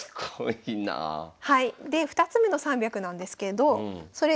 で２つ目の「３００」なんですけどそれ